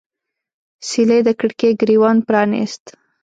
سیلۍ د کړکۍ ګریوان پرانیست